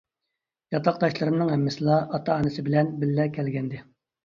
ياتاقداشلىرىمنىڭ ھەممىسىلا ئاتا-ئانىسى بىلەن بىللە كەلگەنىدى.